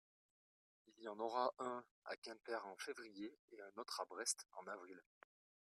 il y en aura un à Quimper en février et un autre à Brest en avril.